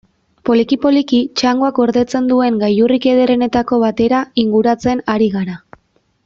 Poliki-poliki, txangoak gordetzen duen gailurrik ederrenetako batera inguratzen ari gara.